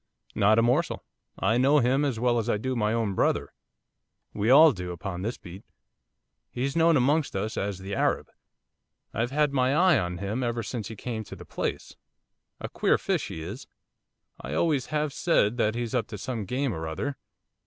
'Not a morsel. I know him as well as I do my own brother, we all do upon this beat. He's known amongst us as the Arab. I've had my eye on him ever since he came to the place. A queer fish he is. I always have said that he's up to some game or other.